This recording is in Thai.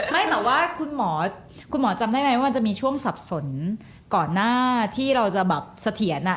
ไม่แต่ว่าคุณหมอคุณหมอจำได้ไหมว่ามันจะมีช่วงสับสนก่อนหน้าที่เราจะแบบเสถียรอ่ะ